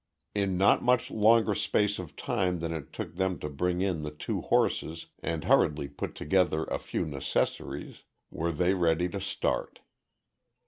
In not much longer space of time than it took them to bring in the two horses, and hurriedly put together a few necessaries, were they ready to start.